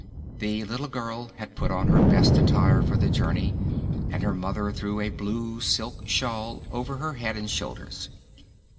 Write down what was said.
The little girl had put on her best attire for the journey and her mother threw a blue silk shawl over her head and shoulders.